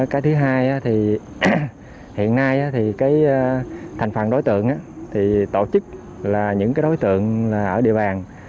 cái thứ hai thì hiện nay thành phần đối tượng tổ chức là những đối tượng ở địa bàn